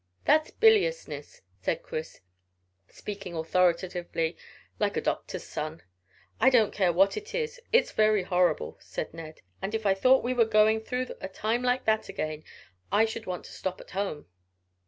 "That's biliousness," said Chris, speaking authoritatively, like a doctor's son. "I don't care what it is. It's very horrible," said Ned, "and if I thought we were going through a time like that again I should want to stop at home."